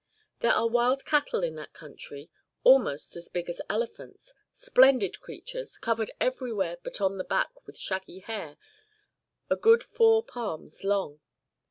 There are wild cattle in that country [almost] as big as elephants, splendid creatures, covered everywhere but on the back with shaggy hair a good four palms long.